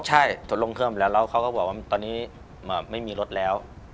ใช่จนลงเครื่องแล้วแล้วเขาก็บอกว่าตอนนี้ไม่มีรถแล้ว